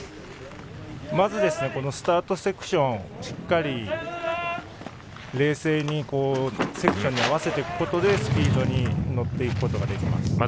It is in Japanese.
まずスタートセクションしっかり冷静にセクションに合わせていくことでスピードに乗っていくことができます。